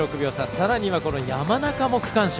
さらには、山中も区間賞。